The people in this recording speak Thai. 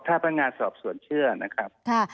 ถ้าพนักงานสอบสวนเชื่อนะครับ